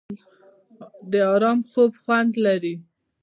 د ارام خوب خوند لري.